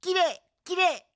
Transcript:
きれい！